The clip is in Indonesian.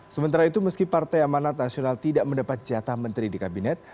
sementara itu meski partai amanat nasional tidak mendapat jatah menteri di kabinet